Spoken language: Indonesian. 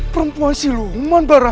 perempuan siluman barak